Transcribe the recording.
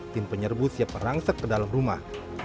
tim penyerbu siap merangsak ke dalam rumah